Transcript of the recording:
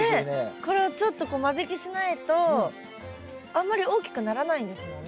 これをちょっと間引きしないとあんまり大きくならないんですもんね。